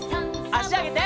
あしあげて。